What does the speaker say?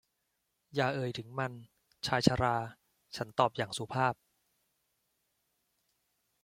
อย่าเอ่ยถึงมัน ชายชรา ฉันตอบอย่างสุภาพ